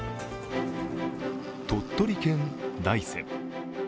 鳥取県大山。